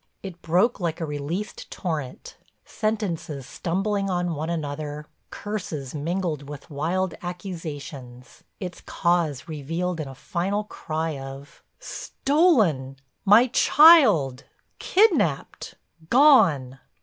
It broke like a released torrent, sentences stumbling on one another, curses mingled with wild accusations, its cause revealed in a final cry of: "Stolen—my child—kidnaped—gone!"